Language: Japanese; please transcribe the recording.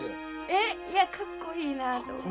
えっいやかっこいいなと思って。